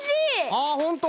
あほんと！